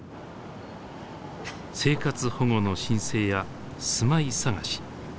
生活保護の申請や住まい探し